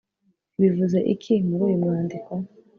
bivuze iki muri uyu mwandiko?